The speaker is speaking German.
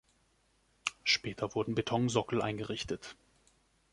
Später wurden Betonsockel eingerichtet.